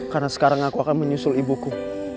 karena sekarang aku akan menyusul ibuku